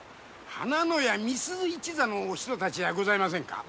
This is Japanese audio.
花廼屋美鈴一座のお人達じゃございませんか？